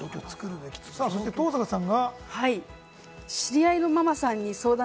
登坂さんは？